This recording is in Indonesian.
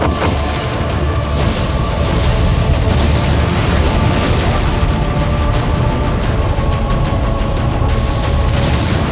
sekarang rasakan tenaga dalamku